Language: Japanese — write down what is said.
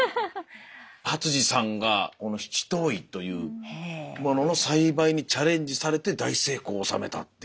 初次さんがこの七島藺というものの栽培にチャレンジされて大成功を収めたっていうすごい何かチャレンジ